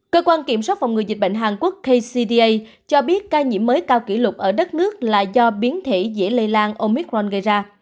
cơ quan kiểm soát phòng ngừa dịch bệnh hàn quốc kcda cho biết ca nhiễm mới cao kỷ lục ở đất nước là do biến thể dễ lây lan omicron gây ra